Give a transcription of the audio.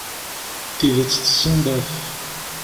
Tidet tessendaf.